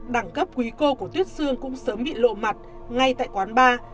đẳng cấp quý cô của tuyết xương cũng sớm bị lộ mặt ngay tại quán bar